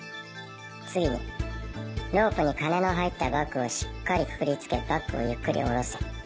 次にロープに金の入ったバッグをしっかり括りつけバッグをゆっくり下ろせ。